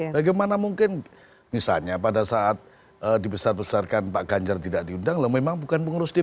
bagaimana mungkin misalnya pada saat dibesar besarkan kind cerak tidak diundang ya memang bukan pengurus dpd